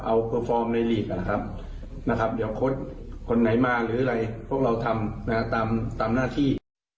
เอาฟอร์มในลีกนะครับเดี๋ยวคนไหนมาหรืออะไรพวกเราทำตามหน้าที่